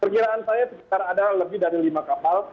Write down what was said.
perkiraan saya sekitar ada lebih dari lima kapal